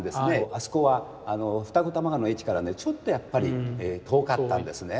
あそこは二子玉川の駅からねちょっとやっぱり遠かったんですね。